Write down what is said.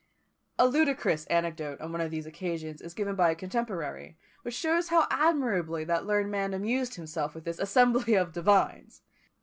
A ludicrous anecdote on one of these occasions is given by a contemporary, which shows how admirably that learned man amused himself with this "assembly of divines!"